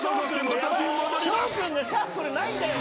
翔君がシャッフルないんだよ